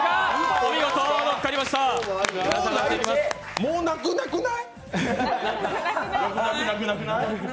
もうなくなくない？